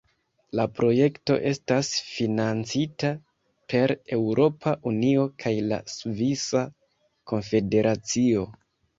La projekto estas financita per Eŭropa Unio kaj la Svisa Konfederacio.